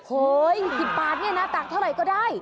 เฮ้ย๑๐บาทเนี่ยนะตักเท่าไหร่ก็ได้